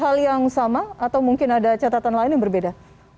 hal yang sama atau mungkin ada catatan lain yang berbeda